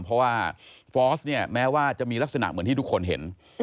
เพราะว่าฟอร์สเนี่ยแม้ว่าจะมีลักษณะเหมือนที่ทุกคนเห็น